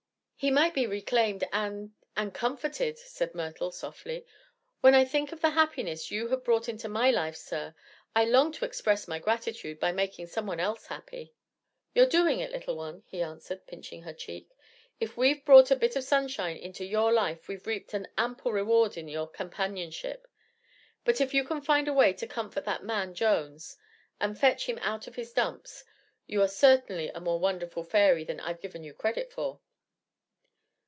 "He might be reclaimed, and and comforted," said Myrtle, softly. "When I think of the happiness you have brought into my life, sir, I long to express my gratitude by making some one else happy." "You're doing it, little one," he answered, pinching her cheek. "If we've brought a bit of sunshine into your life we've reaped an ample reward in your companionship. But if you can find a way to comfort that man Jones, and fetch him out of his dumps, you are certainly a more wonderful fairy than I've given you credit for."